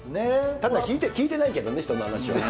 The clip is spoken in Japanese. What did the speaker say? ただ聞いてないけどね、人の話を。